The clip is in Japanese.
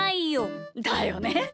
だよね。